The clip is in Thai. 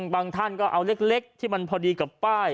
บางท่านก็เอาเล็กที่มันพอดีกับป้าย